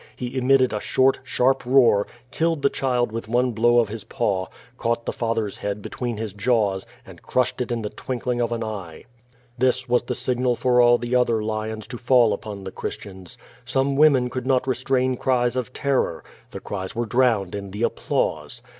He emitte<l a short, sharp roar, killed the child with one blow of his paw, caught the fathers head between his jaws, and crushed it in the twink ling of an eye. This was the signal for all the other lions to fall upon the Christians. Some women could not restrain cries of terror. The cries were drowned in the applause.